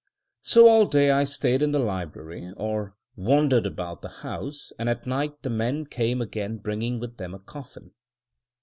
So all day I stayed in the library or wandered about the house, and at night the men came again bringing with them a coffin.